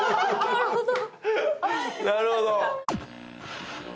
なるほど。